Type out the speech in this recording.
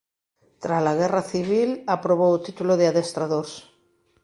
Trala guerra civil aprobou o título de adestrador.